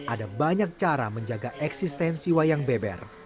ada banyak cara menjaga eksistensi wayang beber